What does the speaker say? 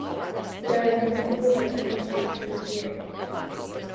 There are multiple generations per year.